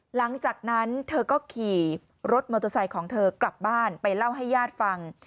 หลังจากนั้นเธอก็ขี่รถมอเตอร์ไซค์ของเธอกลับบ้านไปเล่าให้ญาติฟัง